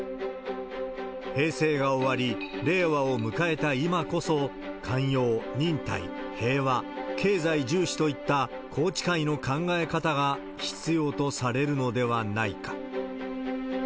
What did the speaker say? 平成が終わり、令和を迎えた今こそ、寛容、忍耐、平和、経済重視といった宏池会の考え方が必要とされるのではないか。